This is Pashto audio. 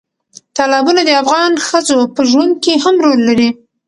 تالابونه د افغان ښځو په ژوند کې هم رول لري.